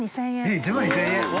えっ１万２０００円！